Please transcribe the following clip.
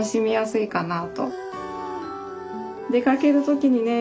出かける時にね